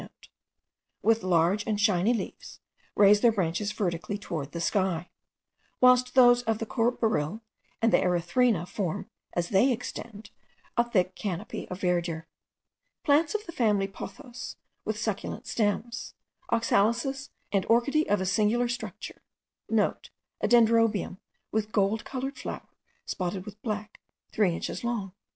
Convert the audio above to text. with large and shining leaves, raise their branches vertically towards the sky; whilst those of the courbaril and the erythrina form, as they extend, a thick canopy of verdure. Plants of the family of pothos, with succulent stems, oxalises, and orchideae of a singular structure,* (* A dendrobium, with a gold coloured flower, spotted with black, three inches long.)